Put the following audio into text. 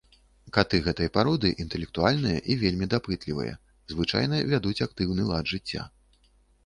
Каты гэтай пароды інтэлектуальныя і вельмі дапытлівыя, звычайна вядуць актыўны лад жыцця.